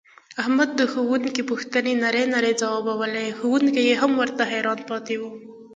احمد د ښوونکي پوښتنې نرۍ نرۍ ځواوبولې ښوونکی یې هم ورته حیران پاتې و.